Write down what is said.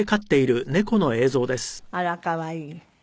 あら可愛い！